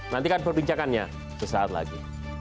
nantikan perbincangannya sesaat lagi